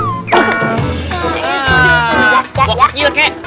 mau kekil kek